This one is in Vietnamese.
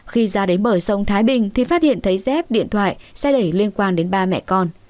khi ra đến bờ sông thái bình thì phát hiện thấy dép điện thoại xe đẩy liên quan đến ba mẹ con